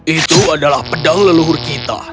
itu adalah pedang leluhur kita